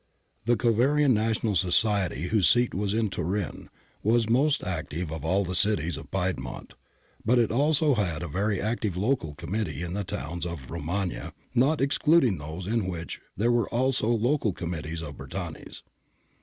The Cavourian National Society, whose seat was Turin, was most active of all in the cities of Piedmont {Bertani Comp. 4), but it also had very active local Committees in the towns of the Romagna (see Dallolio, 97 145), not excluding those in which there were also local Committees of Bertani's.